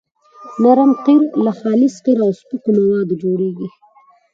نرم قیر له خالص قیر او سپکو موادو جوړیږي